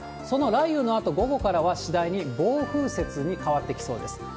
その雷雨のあと、午後からは次第に暴風雪に変わってきそうです。